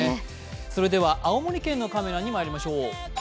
それでは青森県のカメラにいきましょう。